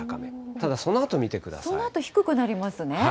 ただそそのあと、低くなりますね。